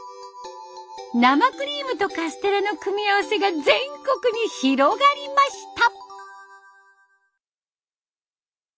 生クリームとカステラの組み合わせが全国に広がりました。